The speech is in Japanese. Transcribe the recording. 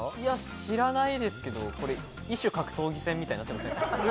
知らないですけど、異種格闘技戦みたいになってません？